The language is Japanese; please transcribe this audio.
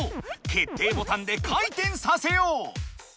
決定ボタンで回転させよう！